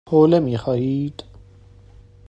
حوله می خواهید؟